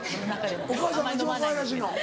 お母さんが一番かわいらしいの？